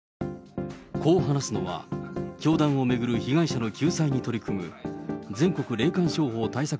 こう話すのは、教団を巡る被害者の救済に取り組む、全国霊感商法対策